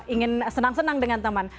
ingin senang senang dengan teman